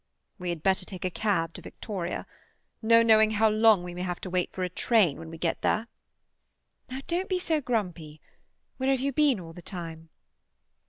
"We had better take a cab to Victoria. No knowing how long we may have to wait for a train when we get there." "Now don't be so grumpy. Where have you been all the time?"